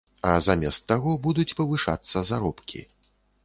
А замест таго будуць павышацца заробкі.